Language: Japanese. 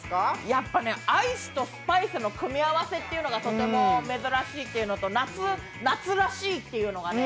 やっぱね、アイスとスパイスの組み合わせっていうのがとても珍しいというのと、夏らしいというのがね。